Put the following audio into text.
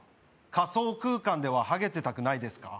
仮想空間ではハゲてたくないですか？